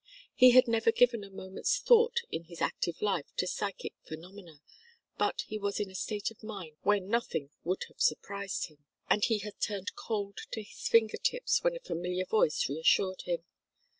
He had never given a moment's thought in his active life to psychic phenomena, but he was in a state of mind where nothing would have surprised him, and he had turned cold to his finger tips when a familiar voice reassured him.